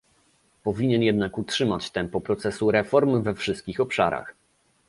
Powinien jednak utrzymać tempo procesu reform we wszystkich obszarach